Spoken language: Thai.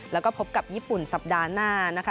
แล้วก็พบกับญี่ปุ่นสัปดาห์หน้านะคะ